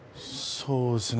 そうですね。